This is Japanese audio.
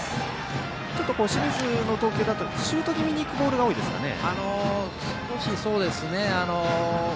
ちょっと清水の投球だとシュート気味に行くボールが多いですかね。